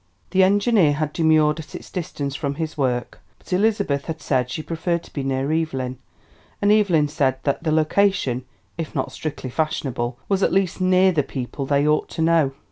The engineer had demurred at its distance from his work, but Elizabeth had said she preferred to be near Evelyn; and Evelyn said that the location, if not strictly fashionable, was at least near the people they ought to know.